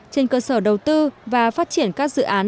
trên cơ sở đầu tư và phát triển các dự án